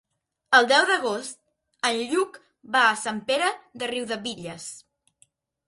El deu d'agost en Lluc va a Sant Pere de Riudebitlles.